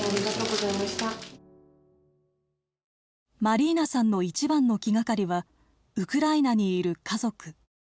マリーナさんの一番の気がかりはウクライナにいる家族。